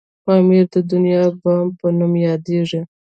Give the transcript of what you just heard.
پامير د دنيا بام په نوم یادیږي.